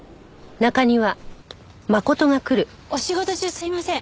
お仕事中すいません。